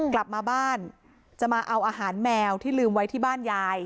กลับมาบ้านจะมาเอาอาหารแมวที่ลืมไว้ที่บ้านยาย